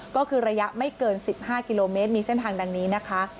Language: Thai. ก็คือระยะไม่เกิน๑๕กิโลเมตรมีเส้นทางดังนี้นะคะ